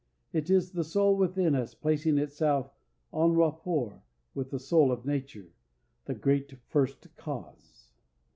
It is the soul within us placing itself en rapport with the soul of nature, the great first cause.